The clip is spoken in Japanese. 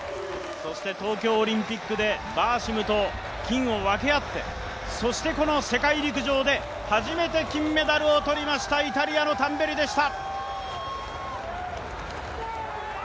東京オリンピックでバーシムと金を分け合って、そしてこの世界陸上で初めて金メダルを取りましたイタリアのタンベリでした。